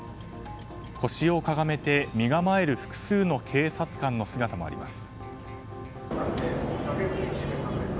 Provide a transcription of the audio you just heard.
腰をかがめて身構える複数の警察官の姿もあります。